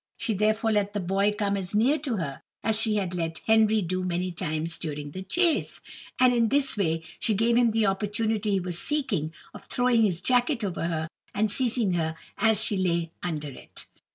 She therefore let the boy come as near to her as she had let Henry do many times during the chase, and in this way she gave him the opportunity he was seeking of throwing his jacket over her, and seizing her as she lay under it.